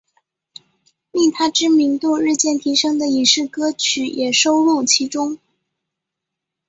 令她知名度日渐提升的影视歌曲也收录其中。